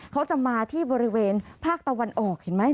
เขาจะมาที่บริเวณภาคตะวันออกเห็นไหม